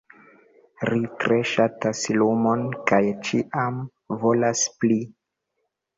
Ri tre ŝatas lumon, kaj ĉiam volas pli.